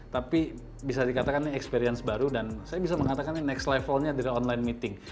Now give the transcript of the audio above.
tapi bisa dikatakan ini experience baru dan saya bisa mengatakan ini next levelnya dari online meeting